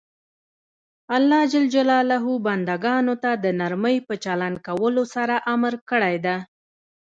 الله ج بنده ګانو ته د نرمۍ په چلند کولو سره امر کړی ده.